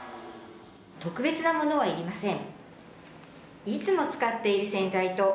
特別なものはいりません。